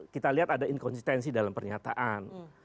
kita lihat ada inkonsistensi dalam pernyataan